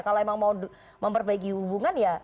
kalau emang mau memperbaiki hubungan ya